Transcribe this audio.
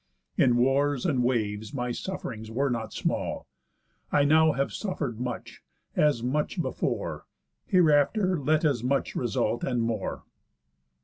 In wars and waves my suff'rings were not small. I now have suffer'd much, as much before, Hereafter let as much result, and more."